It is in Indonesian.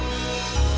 terima kasih pak